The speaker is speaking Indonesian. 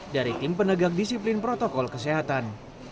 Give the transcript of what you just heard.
dari tim penegak disiplin protokol kesehatan